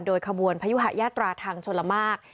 โดยขบวนพยุหะยาตราทางชนละมาก